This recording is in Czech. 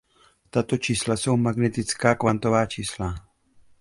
Tato čísla jsou magnetická kvantová čísla.